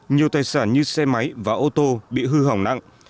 nhiều tài sản như xe máy và ô tô bị hư hỏng nặng